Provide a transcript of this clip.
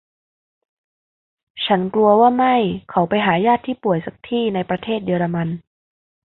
ฉันกลัวว่าไม่ เขาไปหาญาติที่ป่วยสักที่ในประเทศเยอรมัน